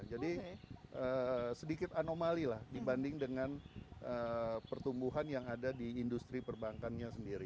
jadi sedikit anomali lah dibanding dengan pertumbuhan yang ada di industri perbankannya sendiri